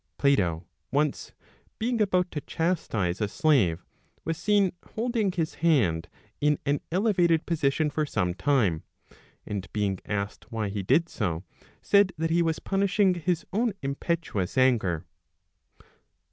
Plato once, being about to chastize a slave, was seen holding his hand in an elevated position for some time, and being asked why he did so, said that he was punishing his own impetuous anger.